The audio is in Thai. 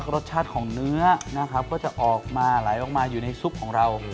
รสชาติของเนื้อนะครับก็จะออกมาไหลออกมาอยู่ในซุปของเรา